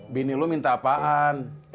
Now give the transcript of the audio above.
bini lu minta apaan